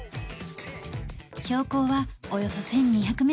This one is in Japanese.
標高はおよそ１，２００ｍ。